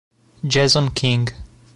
Jason King